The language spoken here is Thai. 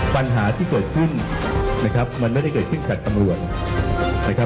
ปัญหาที่เกิดขึ้นนะครับมันไม่ได้เกิดขึ้นกับตำรวจนะครับ